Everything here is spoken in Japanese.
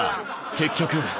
結局。